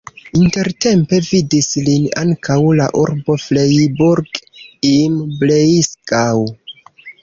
Intertempe vidis lin ankaŭ la urbo Freiburg im Breisgau.